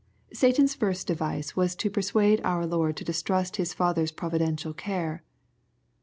^ Satan's first device was to persuade our Lord to distrust ' His Father's providential care.